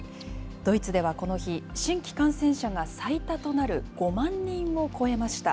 ドイツではこの日、新規感染者が最多となる５万人を超えました。